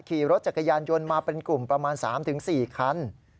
ขี่รถจักรยานยนต์มาเป็นกลุ่มประมาณ๓๔คัน